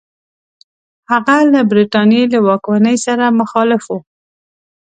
هغه له برټانیې له واکمنۍ سره مخالف وو.